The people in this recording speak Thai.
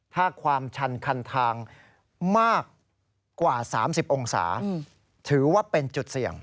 ถ้าความชันคันทางมากกว่า๓๐องศาถือว่าเป็นจุดเสี่ยง